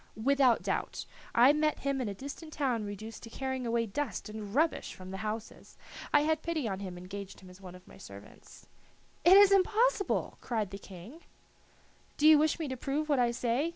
"Without doubt. I met him in a distant town reduced to carrying away dust and rubbish from the houses. I had pity on him and engaged him as one of my servants." "It is impossible!" cried the King. "Do you wish me to prove what I say?